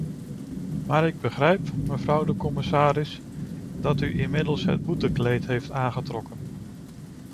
Maar ik begrijp, mevrouw de commissaris, dat u inmiddels het boetekleed heeft aangetrokken.